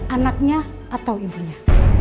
anaknya atau ibunya